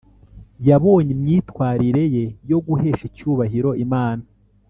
yabonye imyitwarire ye yo guhesha icyubahiro imana